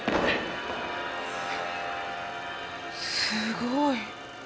すごい。